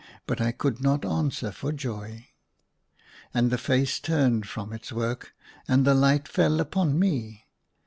But I could not answer for joy. And the face turned from its work, and the light fell upon me.